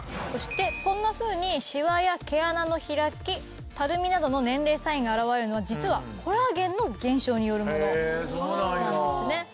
そしてこんなふうにシワや毛穴の開きたるみなどの年齢サインが現われるのは実はコラーゲンの減少によるものなんですね。